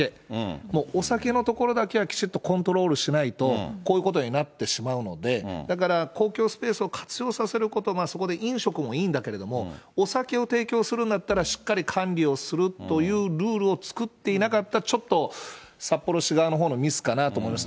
もうお酒のところだけはきちっとコントロールしないと、こういうことになってしまうので、だから公共スペースを活用させること、そこで飲食もいいんだけれども、お酒を提供するんだったら、しっかり管理をするというルールを作っていなかった、ちょっと札幌市側のほうのミスかなと思います。